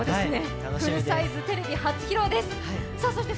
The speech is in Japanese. フルサイズ、テレビ初披露です。